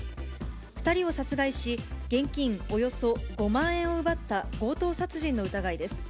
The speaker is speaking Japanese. ２人を殺害し、現金およそ５万円を奪った強盗殺人の疑いです。